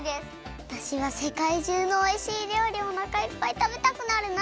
わたしはせかいじゅうのおいしいりょうりをおなかいっぱいたべたくなるな。